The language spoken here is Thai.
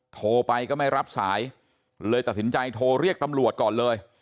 โทรไปก็ไม่รับสายเลยตัดสินใจโทรเรียกตำรวจก่อนเลย